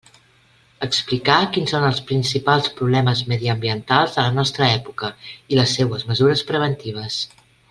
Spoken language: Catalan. Explicar quins són els principals problemes mediambientals de la nostra època i les seues mesures preventives.